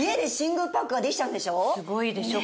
すごいでしょ？